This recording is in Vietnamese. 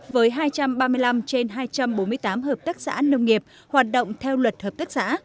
với hai trăm ba mươi năm trên hai trăm bốn mươi tám hợp tác xã nông nghiệp hoạt động theo luật hợp tác xã